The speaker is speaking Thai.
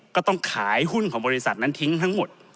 ก็ต้องขายหุ้นของบริษัทนั้นทิ้งทั้งหมด